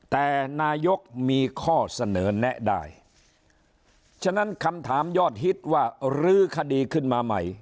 แต่นายกมีข้อเสนอแนะได้ฉะนั้นคำถามยอดฮิตว่ารื้อคดีขึ้นมาใหม่